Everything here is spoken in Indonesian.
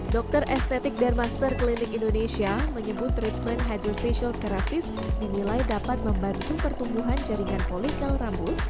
dokter estetik dermaster klinik indonesia menyebut treatment hydra facial keravive dinilai dapat membantu pertumbuhan jaringan polikal rambut